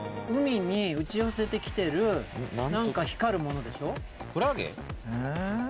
海に打ち寄せてきてる何か光るものでしょ。